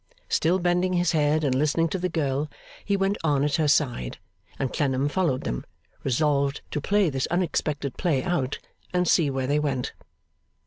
Still bending his head and listening to the girl, he went on at her side, and Clennam followed them, resolved to play this unexpected play out, and see where they went.